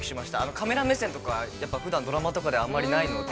カメラ目線とか、ふだんドラマとかであんまりないので。